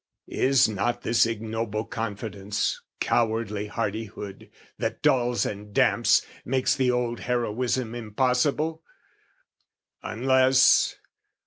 Is it not this ignoble confidence, Cowardly hardihood, that dulls and damps, Makes the old heroism impossible? Unless...